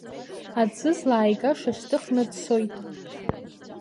Аӡы злааигаша шьҭыхны дцоит.